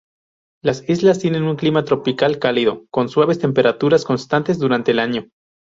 Las islas tienen un clima tropical cálido, con suaves temperaturas constantes durante el año.